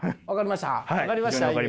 分かりました？